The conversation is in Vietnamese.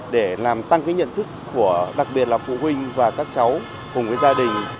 để làm tăng cái nhận thức của đặc biệt là phụ huynh và các cháu cùng với gia đình